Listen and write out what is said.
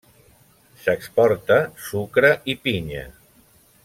S'exporta sucre i pinya.